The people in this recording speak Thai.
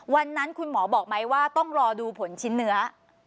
วันนั้นคุณหมอบอกไหมว่าต้องรอดูผลชิ้นเนื้อ